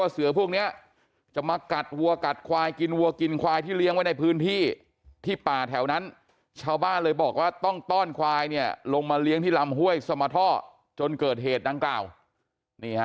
อเรนนี่ก็ต้องดำเนินคดี